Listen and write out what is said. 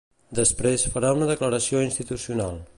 Després, farà una declaració institucional.